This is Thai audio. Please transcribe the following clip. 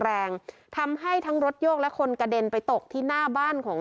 แรงทำให้ทั้งรถโยกและคนกระเด็นไปตกที่หน้าบ้านของ